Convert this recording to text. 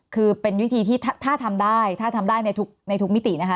คือเป็นวิธีที่ถ้าทำได้ถ้าทำได้ในทุกมิตินะคะ